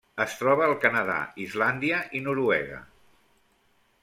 Es troba al Canadà, Islàndia i Noruega.